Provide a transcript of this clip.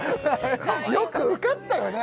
よく受かったよね